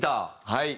はい。